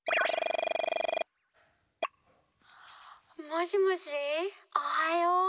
もしもしおはよう。